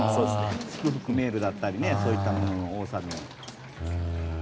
メールだったりそういったものの多さに。